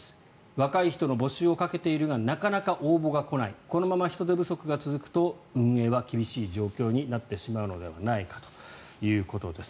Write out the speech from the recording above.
若い人の募集をかけているがなかなか応募が来ないこのまま人手不足が続くと運営は厳しい状況になってしまうのではないかということです。